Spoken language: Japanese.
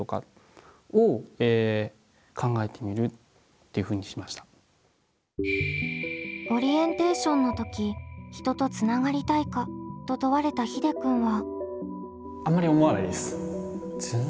っていうのをやってみながらオリエンテーションの時「人とつながりたいか？」と問われたひでくんは。